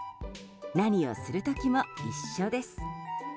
何をする時も一緒です。